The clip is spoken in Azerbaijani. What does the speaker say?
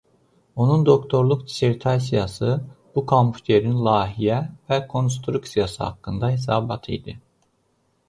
Onun doktorluq dissertasiyası bu kompüterin layihə və konstruksiyası haqqında hesabat idi.